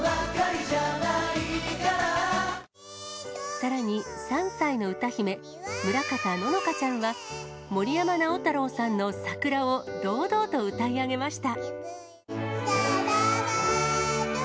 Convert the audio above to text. さらに、３歳の歌姫、村方乃々佳ちゃんは、森山直太朗さんのさくらを堂々と歌い上げました。